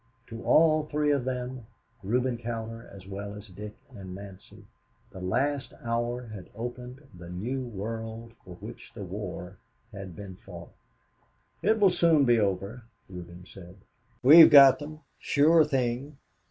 To all three of them, Reuben Cowder as well as Dick and Nancy, the last hour had opened the new world for which the war had been fought. "It will soon be over," Reuben said. "We've got them, sure thing.